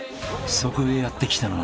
［そこへやって来たのは］